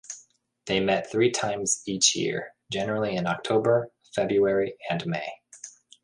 They met three times each year, generally in October, February and May.